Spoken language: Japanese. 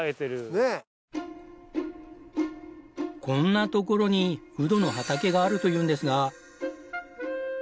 こんな所にうどの畑があるというんですが。